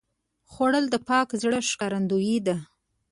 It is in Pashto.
خوړل د پاک زړه ښکارندویي ده